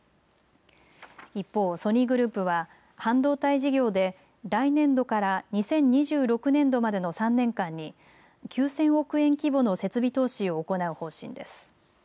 一方、ソニーグループは半導体事業で来年度から２０２６年度までの３年間に９０００億円規模の設備投資を行う方針です。